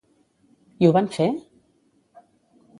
I ho van fer?